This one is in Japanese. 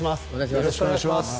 よろしくお願いします。